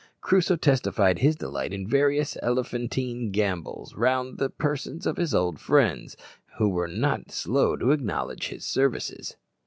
Crusoe testified his delight in various elephantine gambols round the persons of his old friends, who were not slow to acknowledge his services.